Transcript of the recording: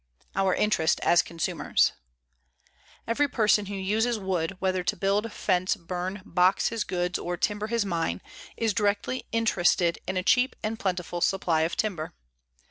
OUR INTEREST AS CONSUMERS Every person who uses wood, whether to build, fence, burn, box his goods, or timber his mine, is directly interested in a cheap and plentiful supply of timber.